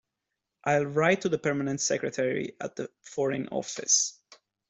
I’ll write to the Permanent Secretary at the Foreign Office.